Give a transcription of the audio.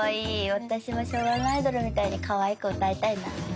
私も昭和のアイドルみたいにかわいく歌いたいな。